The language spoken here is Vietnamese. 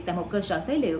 tại một cơ sở phế liệu